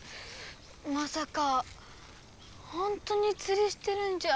まさかほんとにつりしてるんじゃ。